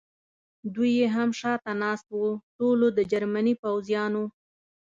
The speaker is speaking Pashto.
دوه یې هم شاته ناست و، ټولو د جرمني پوځیانو.